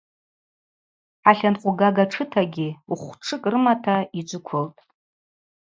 Хӏатланкъвгага тшытагьи хвтшыкӏ рымата йджвыквылтӏ.